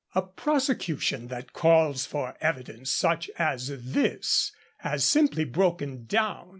A prosecution that calls for evidence such as this has simply broken down.